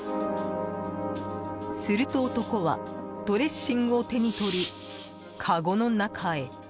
すると、男はドレッシングを手に取り、かごの中へ。